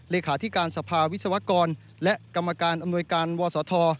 เลขาธิการสภาวิศวกรและกรรมการอำนวยการวศธ